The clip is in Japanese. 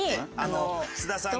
「津田さんが」。